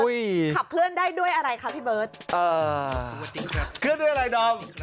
เชิญกับเคลื่อนด้วยอะไรดอง